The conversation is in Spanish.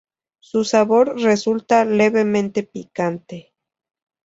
Su sabor resulta levemente picante.